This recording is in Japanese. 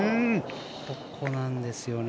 ここなんですよね。